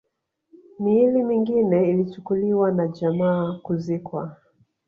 Miili mingine ilichukuliwa na jamaa kuzikwa